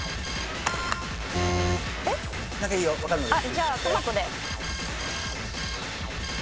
じゃあトマトで。